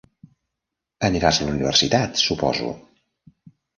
Aniràs a la universitat, suposo?